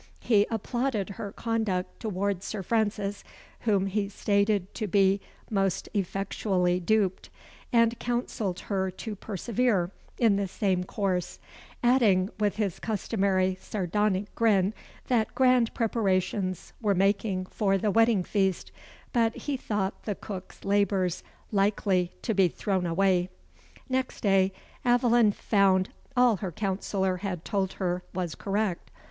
He applauded her conduct towards Sir Francis, whom he stated to be most effectually duped, and counselled her to persevere in the same course; adding, with his customary sardonic grin, that grand preparations were making for the wedding feast, but he thought the cook's labours likely to be thrown away. Next day, Aveline found all her counsellor had told her was correct.